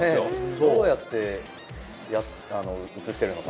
どうやって映しているのかな？